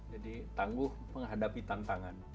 jadi tangguh menghadapi tantangan